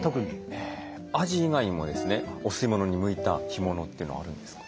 へえアジ以外にもですねお吸い物に向いた干物というのはあるんですか？